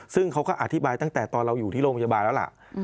ซึ่งเขาก็อธิบายตั้งแต่ตอนเราอยู่ที่โรงพยาบาลแล้วล่ะ